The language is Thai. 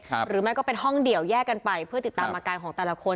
หรือไม่ก็เป็นห้องเดี่ยวแยกกันไปเพื่อติดตามอาการของแต่ละคน